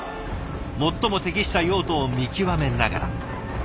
最も適した用途を見極めながら。